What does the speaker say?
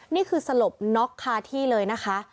นี่คือสลบน็อกคาที่เลยนะคะ